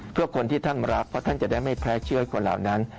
เพื่อคนที่ท่านรักเพราะท่านจะได้ไม่แพ้เชื่อคนเหล่านั้น